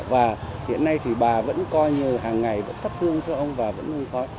và hiện nay thì bà vẫn coi như hàng ngày vẫn thất thương cho ông và vẫn hơi khói